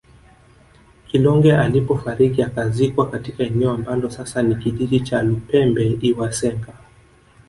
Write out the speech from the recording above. Kilonge alipofariki akazikwa katika eneo ambalo sasa ni kijiji cha Lupembe lwa Senga